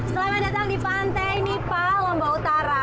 selamat datang di pantai nipah lombok utara